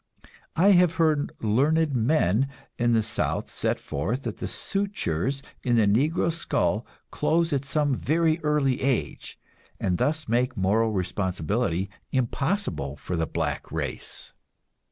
I have heard learned men in the South set forth that the sutures in the Negro skull close at some very early age, and thus make moral responsibility impossible for the black race.